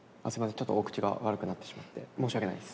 ちょっとお口が悪くなってしまって申し訳ないです。